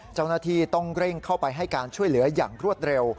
เจ้าหน้าที่ต้องเร่งเข้าไปให้การช่วยเหลืออย่างรวดเร็ว